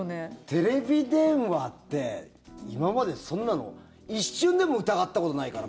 テレビ電話って今までそんなの一瞬でも疑ったことないから。